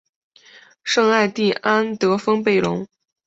圣艾蒂安德丰贝隆。